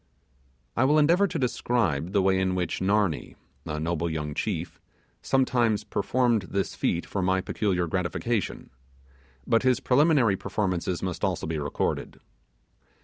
I will endeavour to describe the way in which Narnee, a noble young chief, sometimes performed this feat for my peculiar gratification; but his preliminary performances must also be recorded.